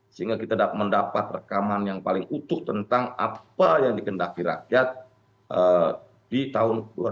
sehingga kita mendapat rekaman yang paling utuh tentang apa yang dikendaki rakyat di tahun dua ribu dua puluh